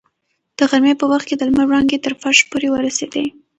د غرمې په وخت کې د لمر وړانګې تر فرش پورې ورسېدې.